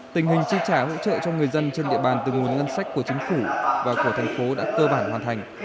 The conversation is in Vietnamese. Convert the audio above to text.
tình hình chi trả hỗ trợ cho người dân trên địa bàn từ nguồn ngân sách của chính phủ và của thành phố đã cơ bản hoàn thành